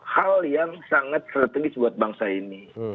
hal yang sangat strategis buat bangsa ini